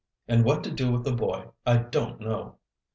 And what to do with the boy I don't know."